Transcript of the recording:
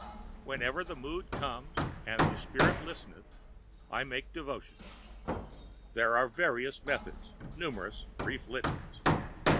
Whenever the mood comes and the spirit listeth, I make devotion. There are various methods, numerous brief litanies.